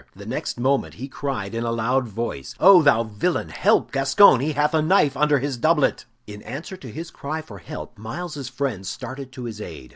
The next moment he cried, in a loud voice: "Oh, thou villain! Help, Gascoyne! He hath a knife under his doublet!" In answer to his cry for help, Myles's friends started to his aid.